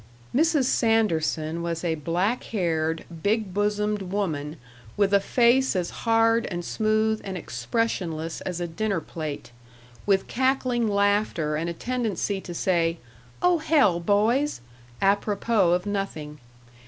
Mrs. Sanderson was a black haired, big bosomed woman with a face as hard and smooth and expressionless as a dinner plate, with cackling laughter and a tendency to say, "Oh, hell, boys!" apropos of nothing.